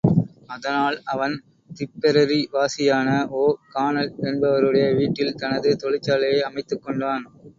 அதனால் அவன் திப்பெரரிவாசியான ஓ கானல் என்பவருடைய வீட்டில் தனது தொழிற்சாலையை அமைத்துக்கொண்டான்.